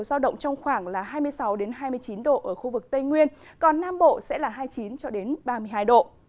giao động trong khoảng là hai mươi sáu hai mươi chín độ ở khu vực tây nguyên còn nam bộ sẽ là hai mươi chín ba mươi hai độ